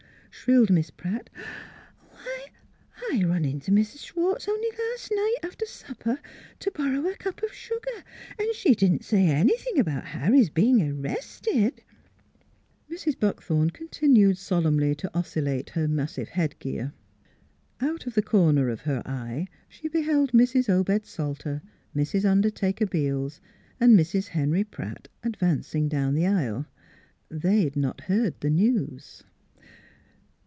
" shrilled Miss Pratt. "Why, I run in t' Mis' Schwartzes only las' night after supper to borrow a cup of sugar, an' she didn't say anything about Harry's being arrested." 3 o6 NEIGHBORS Mrs. Buckthorn continued solemnly to oscillate her massive headgear. Out of the corner of her eye she beheld Mrs. Obed Salter, Mrs. Under taker Beels, and Mrs. Henry Pratt advanc ing down the aisle: they had not heard the news.